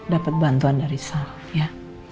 dapat bantuan dari sar ya